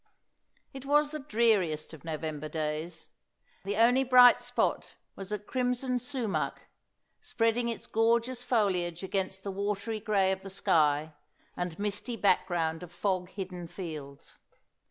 It was the dreariest of November days. The only bright spot was a crimson sumach, spreading its gorgeous foliage against the watery grey of the sky, and misty back ground of fog hidden fields.